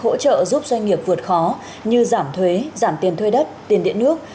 hỗ trợ giúp doanh nghiệp vượt khó như giảm thuế giảm tiền thuê đất tiền điện nước